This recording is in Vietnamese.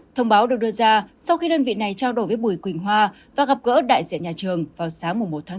thông báo được đưa ra sau khi đơn vị này trao đổi với bùi quỳnh hoa và gặp gỡ đại diện nhà trường vào sáng một một